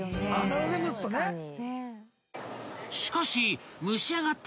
［しかし］